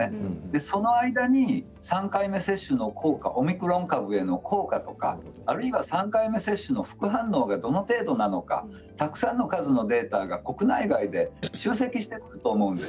その間に３回目の接種の効果、オミクロン株への効果あるいは３回目の副反応がどれくらいなのかたくさんの数のデータが国内外で集積していると思うんです。